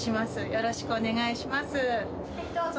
よろしくお願いします